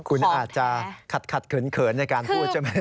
คุณอาจจะขัดเขินในการพูดใช่ไหม